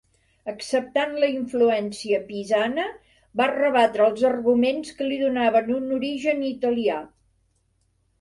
Acceptant la influència pisana, va rebatre els arguments que li donaven un origen italià.